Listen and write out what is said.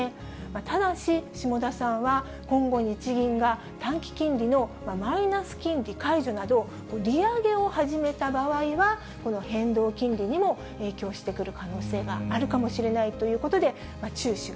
ただし、下田さんは、今後、日銀が短期金利のマイナス金利解除など、利上げを始めた場合は、この変動金利にも影響してくる可能性があるかもしれないというこ